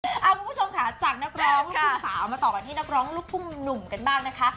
คุณผู้ชมค่ะจากนักร้องลูกทุ่งสาวมาต่อกันที่นักร้องลูกทุ่งหนุ่มกันบ้างนะคะ